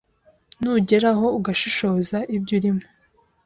ntugeraho ugashishoza ibyo urimo